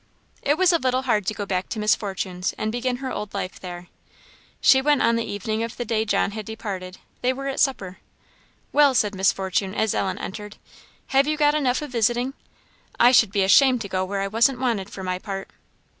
It was a little hard to go back to Miss Fortune's, and begin her old life there. She went on the evening of the day John had departed. They were at supper. "Well!" said Miss Fortune, as Ellen entered, "have you got enough of visiting? I should be ashamed to go where I wasn't wanted, for my part."